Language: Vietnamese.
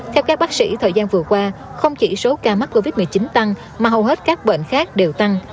theo các bác sĩ thời gian vừa qua không chỉ số ca mắc covid một mươi chín tăng mà hầu hết các bệnh khác đều tăng